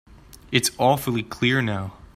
It's awfully clear now.